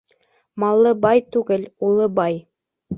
Маллы бай түгел, уллы бай.